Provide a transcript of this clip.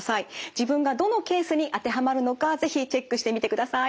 自分がどのケースに当てはまるのか是非チェックしてみてください。